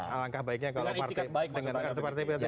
alangkah baiknya kalau dengan kartu pdip terbuka